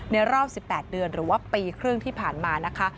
รอบ๑๘เดือนหรือว่าปีครึ่งที่ผ่านมานะคะ